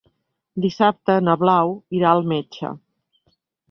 Dissabte na Blau irà al metge.